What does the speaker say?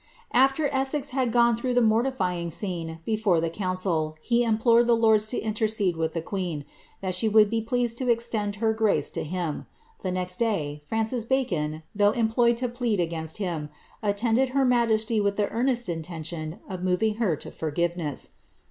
* AAer Essex had gone through the mortifying scene before the coun cil, he implored the lords to intercede with the queen, that she would be pleased to extend her grace to him. The next day, Francis Bacon, though employed to plead against him, attended her majesty with the earnest intention of moving her to forgiveness.'